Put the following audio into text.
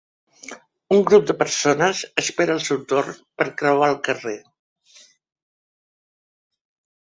Un grup de persones espera el seu torn per creuar el carrer